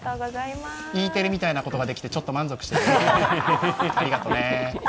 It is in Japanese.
Ｅテレみたいなことができてちょっと満足してるよ。